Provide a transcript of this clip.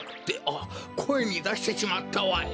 あっこえにだしてしまったわい！